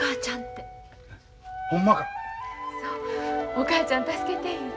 「お母ちゃん助けて」いうて。